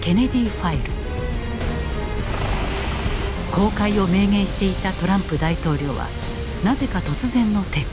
公開を明言していたトランプ大統領はなぜか突然の撤回。